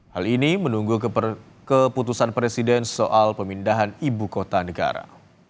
hal ini menunggu keputusan presiden soal pemindahan ibu kota negara